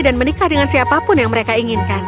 dan menikah dengan siapapun yang mereka inginkan